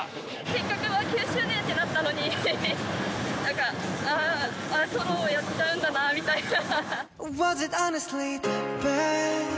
せっかく、わぁ９周年ってなったのに、なんか、ソロをやっちゃうんだな、みたいな。